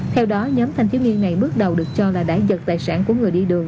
theo đó nhóm thanh thiếu niên này bước đầu được cho là đại giật tài sản của người đi đường